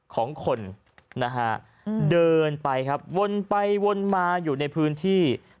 ของคนเดินไปวนไปวนมาอยู่ในพื้นที่